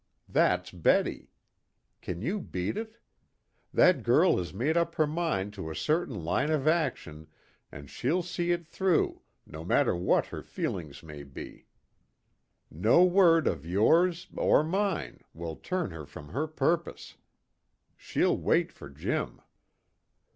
That's Betty. Can you beat it? That girl has made up her mind to a certain line of action, and she'll see it through, no matter what her feelings may be. No word of yours, or mine, will turn her from her purpose. She'll wait for Jim."